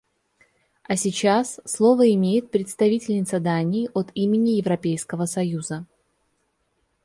А сейчас слово имеет представительница Дании от имени Европейского союза.